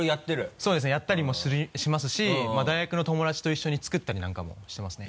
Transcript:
そうですねやったりもしますし大学の友達と一緒に作ったりなんかもしてますね。